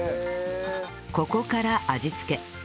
ここから味つけ